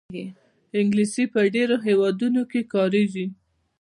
انګلیسي په ډېرو هېوادونو کې کارېږي